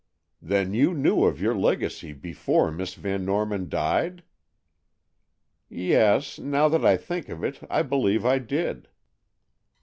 "Then you knew of your legacy before Miss Van Norman died?" "Yes, now that I think of it, I believe I did."